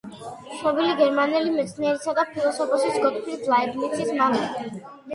ცნობილი გერმანელი მეცნიერისა და ფილოსოფოსის გოტფრიდ ლაიბნიცის მამა.